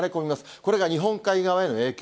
これが日本海側への影響。